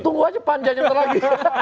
tunggu aja panja nyentar lagi